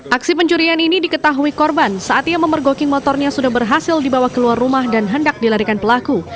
aksi pencurian ini diketahui korban saat ia memergoking motornya sudah berhasil dibawa keluar rumah dan hendak dilarikan pelaku